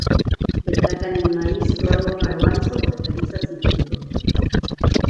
Destacan el maíz, sorgo, garbanzo, hortalizas y trigo.